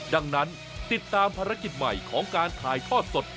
ดังนั้นติดตามภารกิจใหม่ของการถ่ายทอดสด